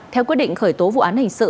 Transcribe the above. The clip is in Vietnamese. theo quy định khởi tố vụ án hình sự